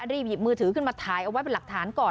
รีบหยิบมือถือขึ้นมาถ่ายเอาไว้เป็นหลักฐานก่อน